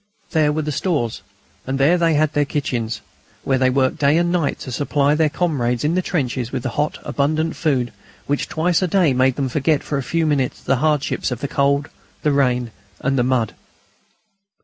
There were the stores, and there they had their kitchens, where they worked day and night to supply their comrades in the trenches with the hot abundant food which twice a day made them forget for a few minutes the hardships of the cold, the rain, and the mud.